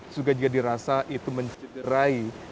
juga dirasa itu mencederai